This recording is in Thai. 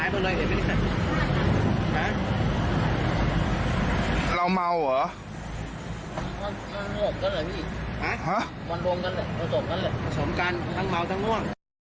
มันผสมกันทั้งเมาทั้งง่วง